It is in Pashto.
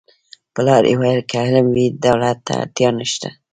پلار یې ویل که علم وي دولت ته اړتیا نشته